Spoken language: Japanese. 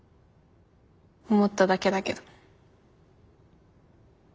思っただけだけど。